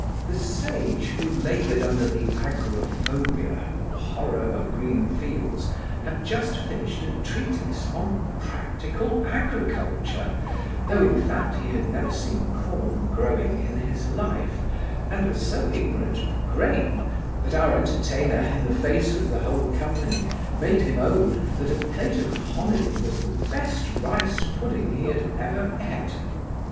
The sage, who laboured under the agrophobia, or horror of green fields, had just finished a treatise on practical agriculture, though, in fact, he had never seen corn growing in his life, and was so ignorant of grain, that our entertainer, in the face of the whole company, made him own, that a plate of hominy was the best rice pudding he had ever eat.